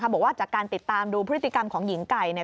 บอกว่าจากการติดตามดูพฤติกรรมของหญิงไก่